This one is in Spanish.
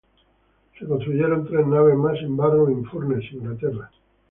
Se construyeron tres naves más en Barrow-in-Furness, Inglaterra.